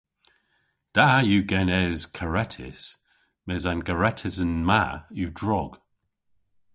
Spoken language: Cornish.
Da yw genes karetys mes an garetysen ma yw drog.